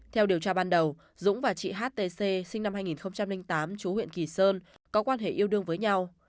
theo điều tra ban đầu dũng và chị htc sinh năm hai nghìn tám chú huyện kỳ sơn có quan hệ yêu đương với nhau